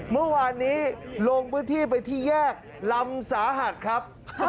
เมื่อวานนี้ลงพื้นที่ไปที่แยกลำสาหัสครับ